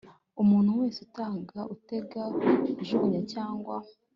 Umuntu wese utanga utega ujugunya cyangwa